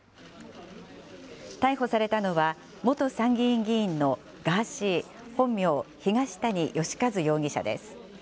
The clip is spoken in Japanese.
逮捕されたのは、元参議院議員のガーシー、本名・東谷義和容疑者です。